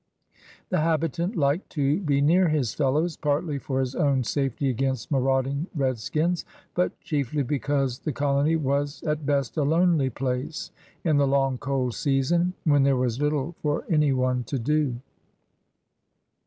The habitant liked to be near his fellows, partly for his own safety against marauding redskins, but chiefly because the colony was at best a lonely place in the long cold season when there was little for any one to do.